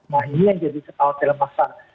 nah ini yang jadi setahu telemasan